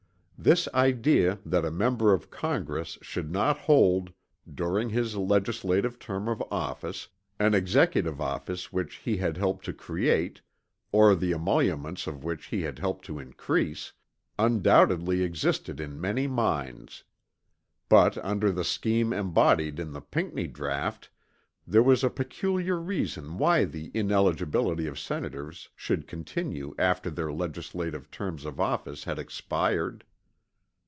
This idea that a member of Congress should not hold, during his legislative term of office, an executive office which he had helped to create or the emoluments of which he had helped to increase, undoubtedly existed in many minds. But under the scheme embodied in the Pinckney draught there was a peculiar reason why the ineligibility of Senators should continue after their legislative terms of office had expired.